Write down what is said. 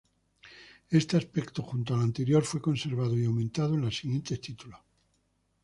Este aspecto, junto al anterior fue conservado y aumentado en los siguientes títulos.